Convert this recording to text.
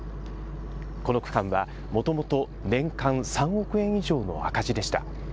この区間はもともと年間３億円以上の赤字でした。